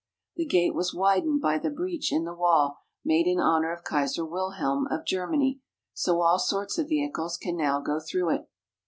The gate was widened by the breach in the wall made in honour of Kaiser Wil helm of Germany, so all sorts of vehicles can now go through it.